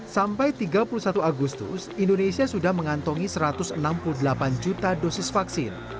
sampai tiga puluh satu agustus indonesia sudah mengantongi satu ratus enam puluh delapan juta dosis vaksin